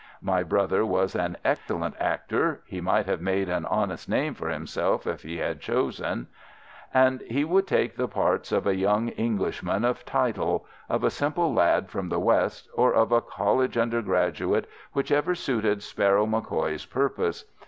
My brother was an excellent actor (he might have made an honest name for himself if he had chosen), and he would take the parts of a young Englishman of title, of a simple lad from the West, or of a college undergraduate, whichever suited Sparrow MacCoy's purpose.